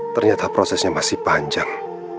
ternyata prosesnya masih panjang